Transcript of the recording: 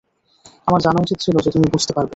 আমার জানা উচিত ছিল যে তুমি বুঝতে পারবে।